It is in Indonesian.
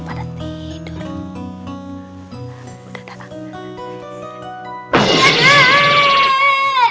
itu pada tidur